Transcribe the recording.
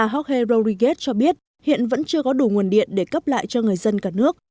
jorge rorriguez cho biết hiện vẫn chưa có đủ nguồn điện để cấp lại cho người dân cả nước